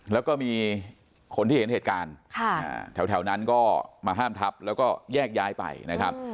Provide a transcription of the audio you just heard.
แล้วก็มีคนที่เห็นเหตุการณ์แถวนั้นก็มาห้ามทับแล้วก็แยกย้ายไปนะครับ